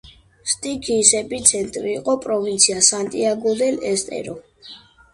სტიქიის ეპიცენტრი იყო პროვინცია სანტიაგო-დელ-ესტერო.